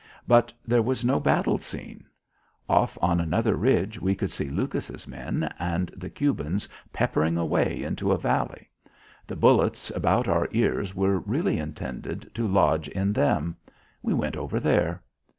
But there was no battle scene. Off on another ridge we could see Lucas' men and the Cubans peppering away into a valley. The bullets about our ears were really intended to lodge in them. We went over there.